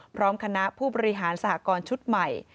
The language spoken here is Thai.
พร้อมคณะผู้บริหารสหกรณ์ชุดใหม่